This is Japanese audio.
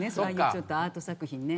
ちょっとアート作品ね。